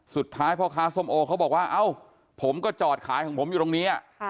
สุดท้ายพ่อค้าส้มโอเขาบอกว่าเอ้าผมก็จอดขายของผมอยู่ตรงนี้